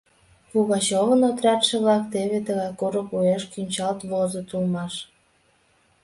Пугачевын отрядше-влак теве тыгай курык вуеш кӱнчалт возыт улмаш.